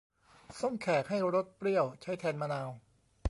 ส้มแขก ให้รสเปรี้ยว ใช้แทนมะนาว